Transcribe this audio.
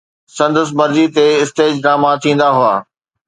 سندس مرضي تي اسٽيج ڊراما ٿيندا هئا.